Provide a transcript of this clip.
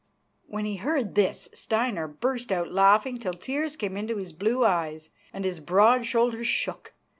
When he heard this, Steinar burst out laughing till tears came into his blue eyes and his broad shoulders shook.